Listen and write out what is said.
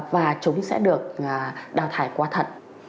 và chúng sẽ được đào thải qua thận